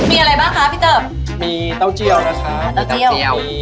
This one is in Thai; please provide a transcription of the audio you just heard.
มีอะไรบ้างค่ะพี่เติบ